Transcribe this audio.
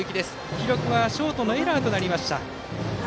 記録はショートのエラーとなりました。